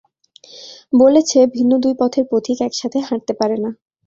বলেছে, ভিন্ন দুই পথের পথিক একসাথে হাঁটতে পারে না।